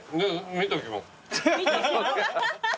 見ときます。